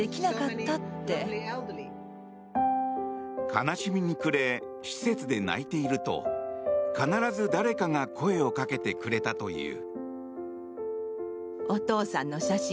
悲しみに暮れ施設で泣いていると必ず誰かが声をかけてくれたという。